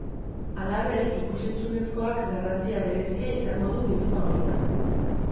Halaber, ikus-entzunezkoak garrantzia berezia izango du bilduma honetan.